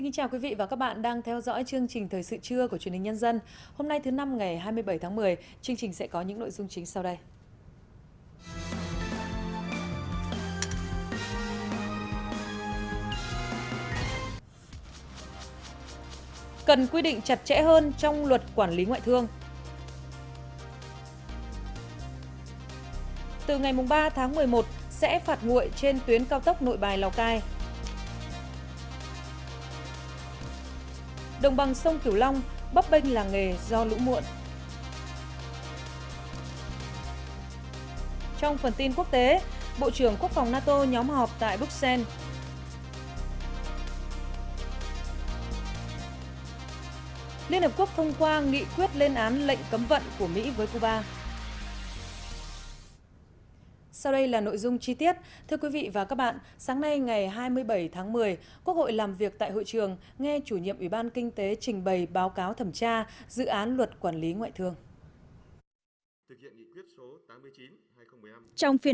các bạn hãy đăng ký kênh để ủng hộ kênh của chúng mình nhé